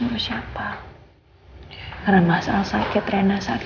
udah mau sampe kok